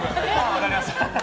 分かりました。